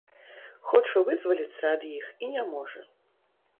Хоча вызваліцца ад іх і не можа.